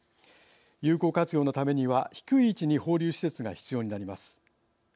有効活用のためには低い位置に放流施設が必要になります。